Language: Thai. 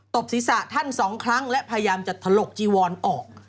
บศีรษะท่านสองครั้งและพยายามจะถลกจีวอนออก